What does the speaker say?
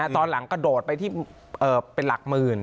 ตอนหลังกระโดดไปที่เป็นหลักหมื่น